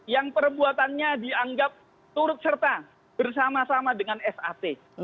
yang perbuatannya dianggap turut serta bersama sama dengan sat